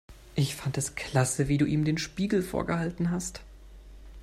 Ich fand es klasse, wie du ihm den Spiegel vorgehalten hast.